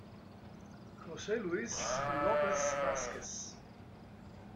José Luis López Vázquez